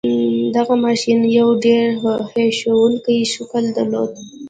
دغه ماشين يو ډېر هیښوونکی شکل درلود.